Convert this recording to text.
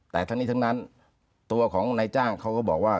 แต่ทั้งนี้ทั้งนั้นตัวของนายจ้างเขาก็บอกว่า